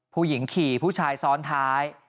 ผู้หญิงขี่ผู้ชายซ้อนท้าย